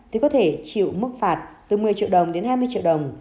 thì có thể chịu mức phạt từ một mươi triệu đồng đến hai mươi triệu đồng